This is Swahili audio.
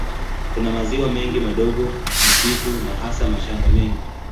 Kuna maziwa mengi madogo, misitu na hasa mashamba mengi.